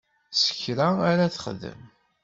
Sekra ara texdem.